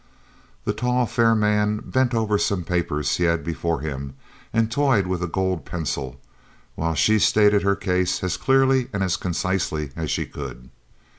The tall, fair man bent over some papers he had before him and toyed with a gold pencil, while she stated her case as clearly and concisely as she could.